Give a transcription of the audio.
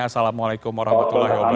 assalamualaikum warahmatullahi wabarakatuh